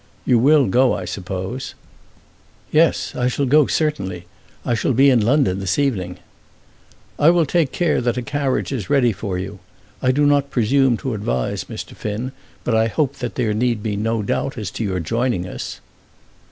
You will go, I suppose." "Yes; I shall go, certainly. I shall be in London this evening." "I will take care that a carriage is ready for you. I do not presume to advise, Mr. Finn, but I hope that there need be no doubt as to your joining us."